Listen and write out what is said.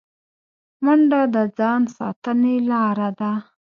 منډه د ځان ساتنې لاره ده